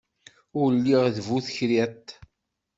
Ur lliɣ d bu tekriṭ.